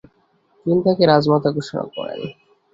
তিনি তাকে রাজমাতা ঘোষণা করেন।